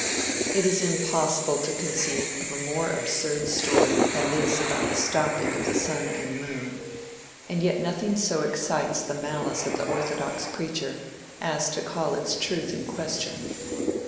It is impossible to conceive of a more absurd story than this about the stopping of the sun and moon, and yet nothing so excites the malice of the orthodox preacher as to call its truth in question.